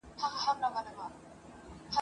په سجدو به دي په پښو کي زوړ او ځوان وي ,